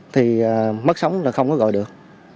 thì mất sóng là không có gọi được